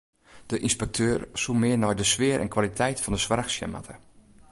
De ynspekteur soe mear nei de sfear en kwaliteit fan de soarch sjen moatte.